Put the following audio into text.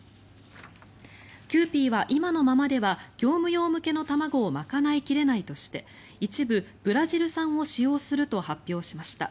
キユーピーは今のままでは業務用向けの卵を賄い切れないとして一部、ブラジル産を使用すると発表しました。